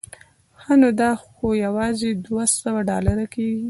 ښه نو دا خو یوازې دوه سوه ډالره کېږي.